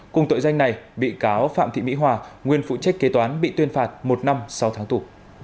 cùng tội danh này bị cáo phạm thị mỹ hòa nguyên phụ trách kế toán bị tuyên phạt một năm sau tháng tù